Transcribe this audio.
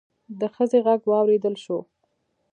د ښځې غږ واوريدل شو.